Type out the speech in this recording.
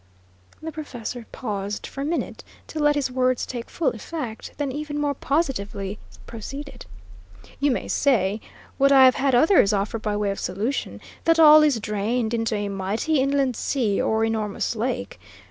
The professor paused for a minute, to let his words take full effect, then even more positively proceeded: "You may say, what I have had others offer by way of solution, that all is drained into a mighty inland sea or enormous lake.